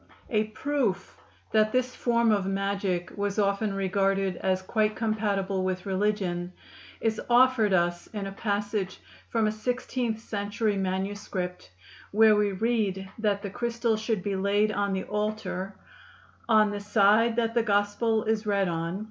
A proof that this form of magic was often regarded as quite compatible with religion is offered us in a passage from a sixteenth century manuscript, where we read that the crystal should be laid on the altar "on the Side that the gospell is read on.